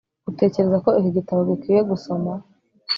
utekereza ko iki gitabo gikwiye gusoma